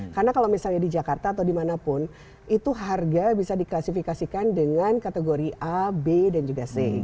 karena kalau misalnya di jakarta atau dimanapun itu harga bisa diklasifikasikan dengan kategori a b dan juga c